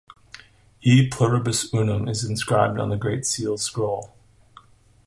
"E pluribus unum" is inscribed on the Great Seal's scroll.